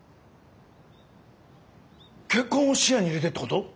結婚を視野に入れてってこと！？